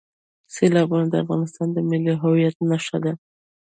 سیلابونه د افغانستان د ملي هویت نښه ده.